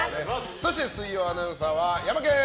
そして水曜アナウンサーはヤマケン！